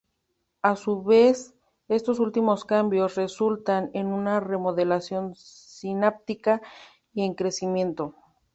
A su vez estos últimos cambios, resultan en una remodelación sináptica y en crecimiento.